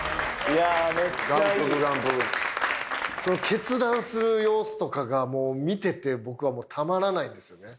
決断する様子とかがもう見てて僕はたまらないんですよね。